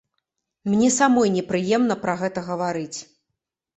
Мне самой непрыемна пра гэта гаварыць.